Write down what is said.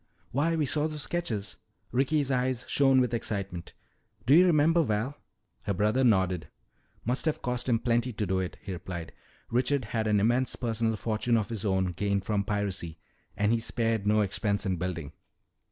"Why, we saw those sketches!" Ricky's eyes shone with excitement. "Do you remember, Val?" Her brother nodded. "Must have cost him plenty to do it," he replied. "Richard had an immense personal fortune of his own gained from piracy, and he spared no expense in building.